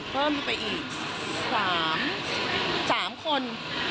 เพิ่มไปอีก๓คน